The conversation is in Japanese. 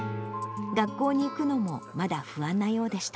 学校に行くのもまだ不安なようでした。